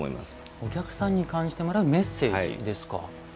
お客さんに感じてもらうメッセージですか。